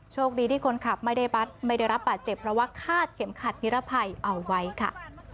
โชคดีที่คนขับไม่ได้รับบาดเจ็บเพราะว่าฆาตเข็มขัดนิรภัยเอาไว้ค่ะ